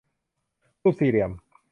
รูปสี่เหลี่ยม